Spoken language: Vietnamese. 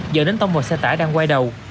dẫn đến tông một xe tải đang quay đầu